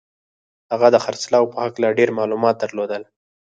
هغه د خرڅلاو په هکله ډېر معلومات درلودل